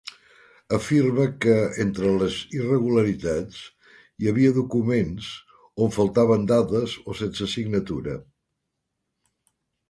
Afirma que, entre les irregularitats, hi havia documents on faltaven dades o sense signatura.